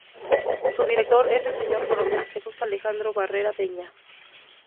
Su director es el señor Coronel Jesús Alejandro Barrera Peña.